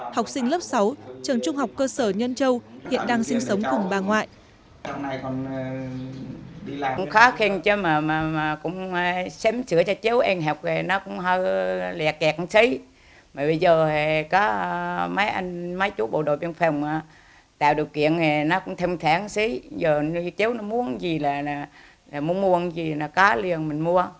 học sinh lớp sáu trường trung học cơ sở nhân châu hiện đang sinh sống cùng bà ngoại